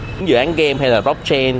những dự án game hay là blockchain